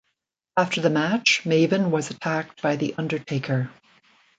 After the match, Maven was attacked by The Undertaker.